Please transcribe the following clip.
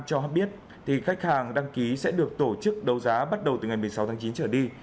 cho biết khách hàng đăng ký sẽ được tổ chức đấu giá bắt đầu từ ngày một mươi sáu tháng chín trở đi